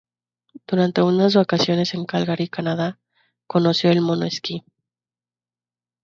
Durante unas vacaciones en Calgary, Canadá, conoció el mono-esquí.